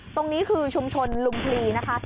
ตรงนี้คือชุมชนลุมพลีนะคะ